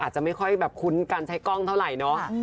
จะไม่ค่อยแบบคุ้นการใช้กล้องเท่าไหร่เนาะ